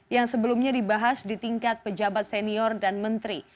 yang sebelumnya dibahas di tingkat pejabat senior dan menteri